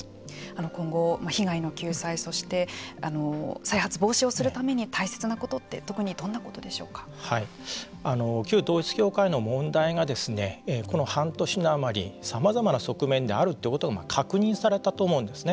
今後、被害の救済そして再発防止をするために大切なことって旧統一教会の問題がこの半年のあまりさまざまな側面であるということが確認されたと思うんですよね。